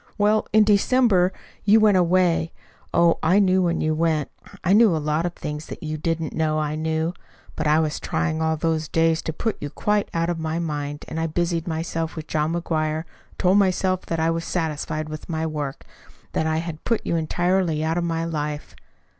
"Well, in December you went away. Oh, I knew when you went. I knew a lot of things that YOU didn't know I knew. But I was trying all those days to put you quite out of my mind, and I busied myself with John McGuire and told myself that I was satisfied with my work; that I had put you entirely out of my life.